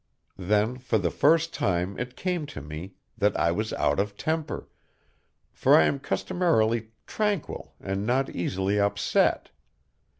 Then for the first time it came to me that I was out of temper, for I am customarily tranquil and not easily upset.